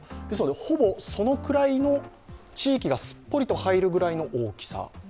ほぼそのくらいの地域がすっぽりと入るぐらいの大きさ。